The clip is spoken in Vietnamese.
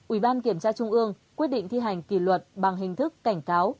ủy ban kiểm tra trung ương quyết định thi hành kỷ luật bằng hình thức cảnh cáo